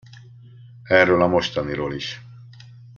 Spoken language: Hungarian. Erről a mostaniról is.